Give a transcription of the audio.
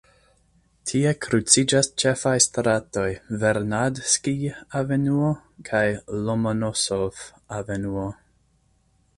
Tie kruciĝas ĉefaj stratoj Vernadskij-avenuo kaj Lomonosov-avenuo.